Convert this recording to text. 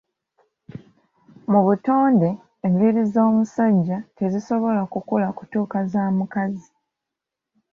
Mu butonde enviiri ez'omusajja tezisobola kukula kutuuka za mukazi.